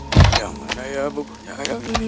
bagaimana dengan buku ini